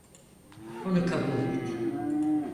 Bunu kabul et.